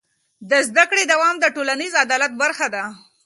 د زده کړې دوام د ټولنیز عدالت برخه ده.